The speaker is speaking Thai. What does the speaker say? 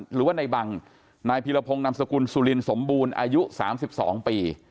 หรือว่านายบังนายพีรพงศ์นามสกุลสุลินสมบูรณ์อายุสามสิบสองปี